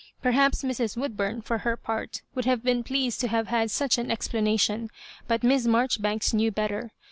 Perhaps Mrs. Woodbum, for her part, would have been pleased to have had such an explanation, but Miss Maijoribanks knew better.